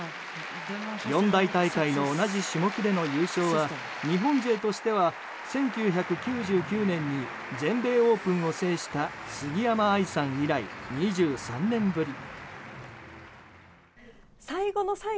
四大大会の同じ種目での優勝は日本勢としては１９９９年に全米オープンを制した杉山愛さん以来、２３年ぶり。